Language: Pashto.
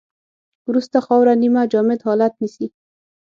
وروسته خاوره نیمه جامد حالت نیسي